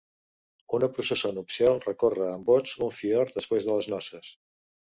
Una processó nupcial recorre en bots un fiord després de les noces.